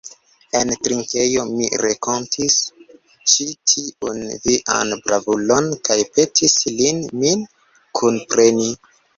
En drinkejo mi renkontis ĉi tiun vian bravulon kaj petis lin min kunpreni.